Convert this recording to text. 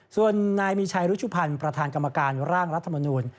ส่วนนายมีชัยรุชุพันธ์ประธานกรรมการร่างรัฐมนูล